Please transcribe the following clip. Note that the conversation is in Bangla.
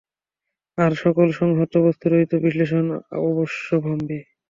আর সকল সংহত বস্তুরই তো বিশ্লেষ অবশ্যম্ভাবী।